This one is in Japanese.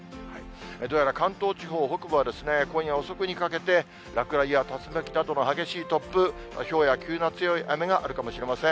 どうやら関東地方北部はですね、今夜遅くにかけて落雷や竜巻などの激しい突風、ひょうや急な強い雨があるかもしれません。